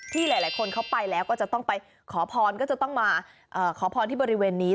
หลายคนเขาไปแล้วก็จะต้องไปขอพรก็จะต้องมาขอพรที่บริเวณนี้